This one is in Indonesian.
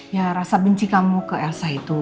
ya rasa benci kamu ke elsa itu